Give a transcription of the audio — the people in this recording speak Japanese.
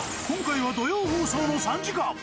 今回は土曜放送の３時間。